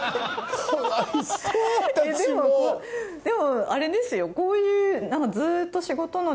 でもあれですよこういう。